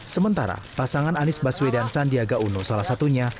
sementara pasangan anies baswedan sandiaga uno salah satunya